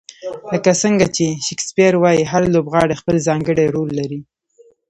لکه څنګه چې شکسپیر وایي، هر لوبغاړی خپل ځانګړی رول لري.